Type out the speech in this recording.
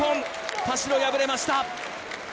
田代敗れました。